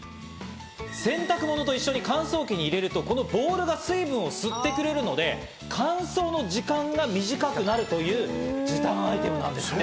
洗濯物と一緒に乾燥機に入れると、このボールが水分を吸ってくれるので、乾燥の時間が短くなる、そういう時短アイテムなんですね。